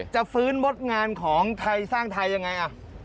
จะฟื้นมดงานของสร้างไทยอย่างไร